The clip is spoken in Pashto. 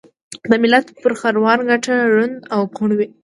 دملت پر خروار ګټه ړوند او کوڼ وي